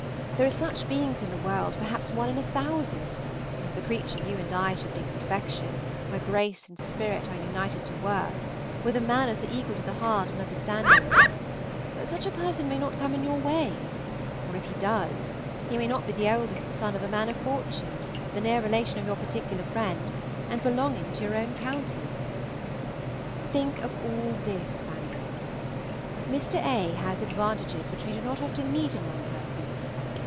There are such beings in the world, perhaps one in a thousand, as the creature you and I should think perfection, where grace and spirit are united to worth, where the manners are equal to the heart and understanding; but such a person may not come in your way, or, if he does, he may not be the eldest son of a man of fortune, the near relation of your particular friend, and belonging to your own county. Think of all this, Fanny. Mr. A. has advantages which we do not often meet in one person.